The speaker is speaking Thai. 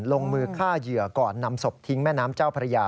ลงมือฆ่าเหยื่อก่อนนำศพทิ้งแม่น้ำเจ้าพระยา